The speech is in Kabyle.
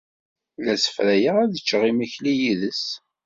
La ssefrayeɣ ad ččeɣ imekli yid-s.